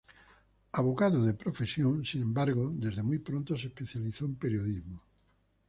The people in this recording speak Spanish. Abogado de profesión, sin embargo, desde muy pronto se especializó en periodismo.